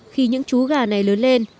khi những chú gà này lớn lên